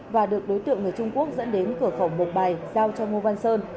và được đối tượng người trung quốc dẫn đến cửa khẩu mộc bài giao cho ngô văn sơn